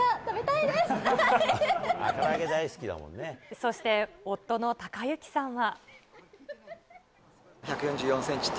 そして夫の孝幸さんは。